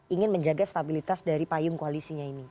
ingin menjaga stabilitas dari payung koalisinya ini